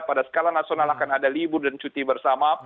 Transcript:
pada skala nasional akan ada libur dan cuti bersama